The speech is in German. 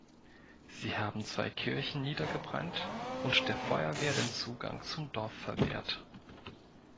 Sie haben zwei Kirchen niedergebrannt und der Feuerwehr den Zugang zum Dorf verwehrt.